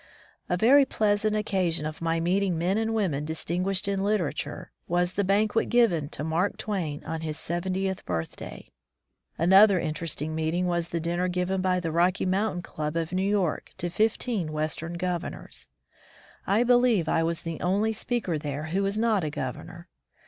A very pleasant occasion of my meeting men and women distinguished in literature, was the banquet given to Mark Twain on his seventieth birthday. Another interest 190 :iJk^m^0t»Mmm The Soul of the White Man ing meeting was the dinner given by the Rocky Mountain Club of New York to fifteen western governors. I believe I was the only speaker there who was not a governor!